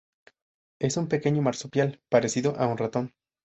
Es un pequeño marsupial parecido a un ratón.